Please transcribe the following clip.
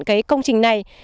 cái công trình này